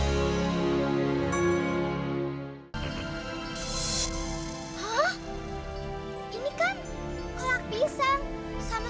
sampai jumpa di video selanjutnya